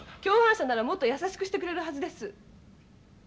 共犯者ならもっと優しくしてくれるはずです。